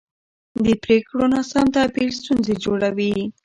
د پرېکړو ناسم تعبیر ستونزې جوړوي